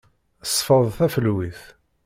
Sfeḍ tafelwit.